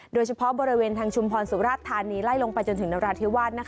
โดยเฉพาะบริเวณทางชุมพรสุราชธานีไล่ลงไปจนถึงนราธิวาส